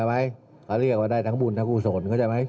ถ้าเรียกว่าได้ทั้งบุญทั้งกลุ่มสน